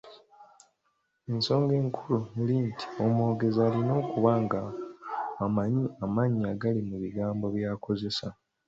Ensonga enkulu eri nti omwogezi alina okuba ng’amanyi amaanyi agali mu bigambo by’akozesa.